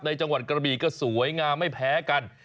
จังหวัดกระบีก็สวยงามไม่แพ้กัน